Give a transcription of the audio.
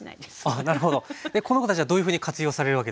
この子たちはどういうふうに活用されるわけですか？